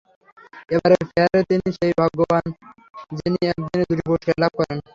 এবারের ফেয়ারে তিনি সেই ভাগ্যবান যিনি একদিনে দুটি পুরস্কার লাভ করেন।